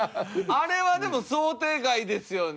あれはでも想定外ですよね。